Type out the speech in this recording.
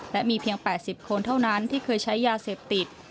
และมีเพียง๘๐คนเท่านั้นที่เคยใช้ยาเสพติด